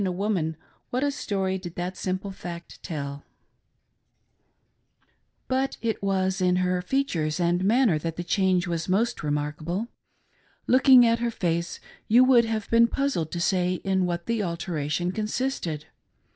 a woman what a story did that simple fact tell ! But it was in her features and manner that the change was most remarli;a ble. In looking at her face you would have been puzzled fo say in what the alteration consisted.